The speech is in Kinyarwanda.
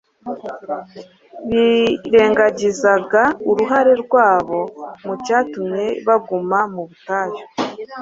Birengagizaga uruhare rwabo mu cyatumye baguma mu butayu